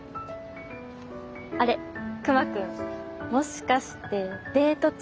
あれ熊くんもしかしてデート中？